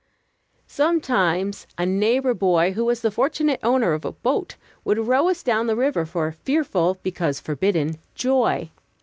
Sometimes a neighbor boy who was the fortunate owner of a boat would row us down the river a fearful, because a forbidden, joy.